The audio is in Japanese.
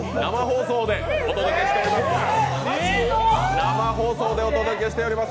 生放送でお届けしております。